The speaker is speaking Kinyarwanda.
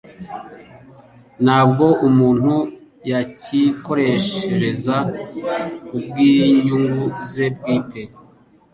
Ntabwa umuntu yayikoreshereza ku bw'inyungu ze bwite,